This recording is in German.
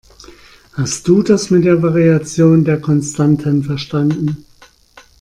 Hast du das mit der Variation der Konstanten verstanden?